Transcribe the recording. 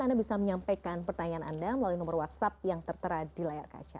anda bisa menyampaikan pertanyaan anda melalui nomor whatsapp yang tertera di layar kaca